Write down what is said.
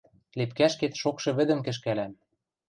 Лепкӓшкет шокшы вӹдӹм кӹшкӓлӓм.